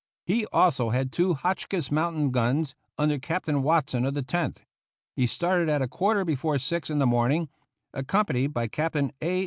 He also had two Hotchkiss mountain guns, under Captain Watson of the Tenth. He started at a quarter before six in the morning, accompanied by Captain A.